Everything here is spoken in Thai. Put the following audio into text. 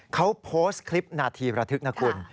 เขาโพสต์คลิปนาทีระทึกนะคุณ